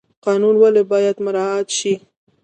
قانون ولې باید مراعات شي؟